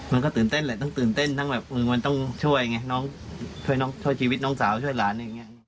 มันก็ตื่นเต้นแหละต้องตื่นเต้นมันต้องช่วยชีวิตน้องสาวช่วยหลาน